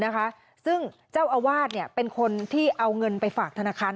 นะคะซึ่งเจ้าอาวาสเนี่ยเป็นคนที่เอาเงินไปฝากธนาคาร